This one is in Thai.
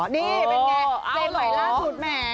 นี่เป็นไงเสนไหวล่าสุดแหม